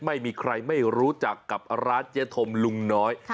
ไม่มีใครไม่รู้จักกับร้านเจ๊ธมลุงน้อย